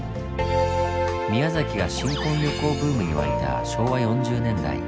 宮崎が新婚旅行ブームに沸いた昭和４０年代。